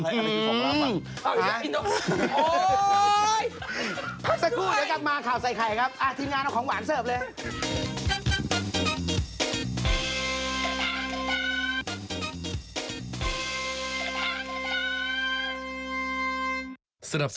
พักสักครู่แล้วกลับมาข่าวใส่ไข่ครับ